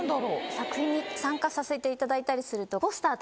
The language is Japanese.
作品に参加させていただいたりすると。